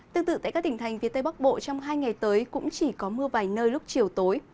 tương tự tại các tỉnh thành phía tây bắc bộ trong hai ngày tới cũng chỉ có mưa vài nơi lúc chiều tối